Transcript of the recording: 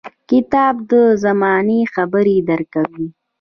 • کتاب د زمانې خبرې درکوي.